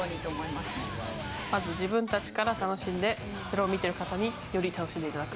まず自分たちから楽しんで、それを見てる方に、より楽しんでいただく。